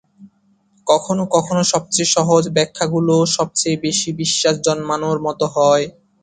কখনও কখনও সবচেয়ে সহজ ব্যাখ্যাগুলো সবচেয়ে বেশি বিশ্বাস জন্মানোর মতো হয়।